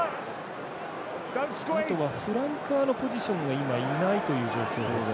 フランカーのポジションがいないという状況です。